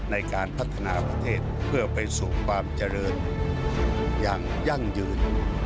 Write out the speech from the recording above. ในการพัฒนาประเทศเพื่อไปสู่ความเจริญอย่างยั่งยืน